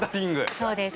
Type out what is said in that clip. そうです。